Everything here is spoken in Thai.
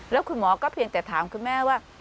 แล้วคุณหมอก็เพียงแต่ถามคุณแม่ว่า